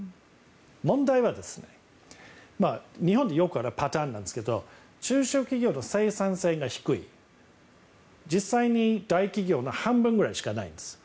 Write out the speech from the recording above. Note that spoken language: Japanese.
問題は日本でよくあるパターンなんですが中小企業の生産性が低い実際に大企業の半分くらいしかないんです。